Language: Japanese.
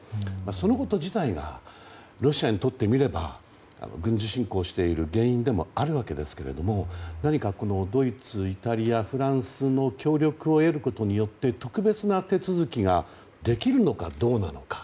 そのこと自体がロシアにとってみれば軍事侵攻している原因でもあるわけですけれども何かドイツ、イタリア、フランスの協力を得ることによって特別な手続きができるのかどうか。